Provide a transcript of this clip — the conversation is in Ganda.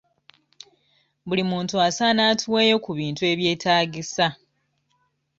Buli muntu asaana atuweeyo ku bintu ebyetaagisa.